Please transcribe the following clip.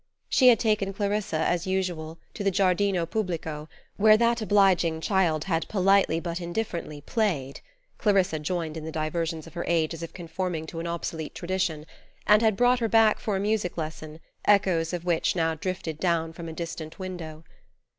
She had taken Clarissa, as usual, to the Giardino Pubblico, where that obliging child had politely but indifferently "played" Clarissa joined in the diversions of her age as if conforming to an obsolete tradition and had brought her back for a music lesson, echoes of which now drifted down from a distant window.